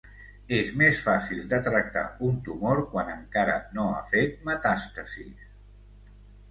És més fàcil de tractar un tumor quan encara no ha fet metàstasis.